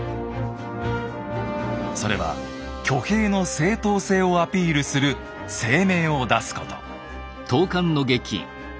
それは挙兵の正当性をアピールする声明を出すこと。